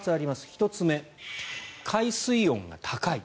１つ目、海水温が高い。